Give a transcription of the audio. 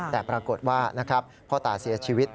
แต่ปรากฏว่านะครับพ่อตาเสียชีวิต